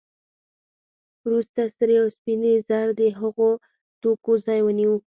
وروسته سرې او سپینې زر د هغو توکو ځای ونیو